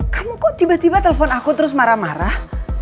kamu kok tiba tiba telepon aku terus marah marah